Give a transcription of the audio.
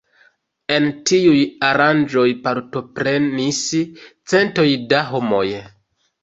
En tiuj aranĝoj partoprenis centoj da homoj.